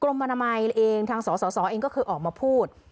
กรมบรรณมัยเองทางสสสเองก็เคยออกมาพูด